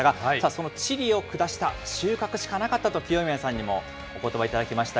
そのチリを下した、収穫しかなかったと清宮さんにもおことば頂きました。